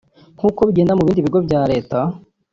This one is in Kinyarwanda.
nk’uko bigenda mu bindi bigo bya leta